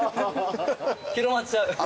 広まっちゃう。